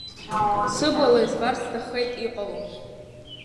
Сыблала избарц сҭаххеит иҟало.